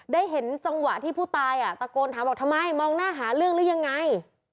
ได้เห็นจังหวะที่ผู้ตายตะโกนถามบอกทำไมมองหน้าหาเรื่องหรือยังไง